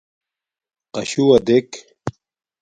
قَشُوّا دݵک.